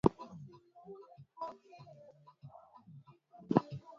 waliotumwa Poland katika wiki za karibuni na ni nyongeza ya wanajeshi wa Marekani